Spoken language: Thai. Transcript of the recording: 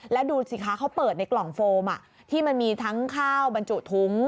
แล้วดูสิคะเขาเปิดในกล่องโฟมที่มันมีทั้งข้าวบรรจุถุง